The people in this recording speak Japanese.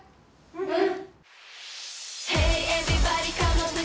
うん。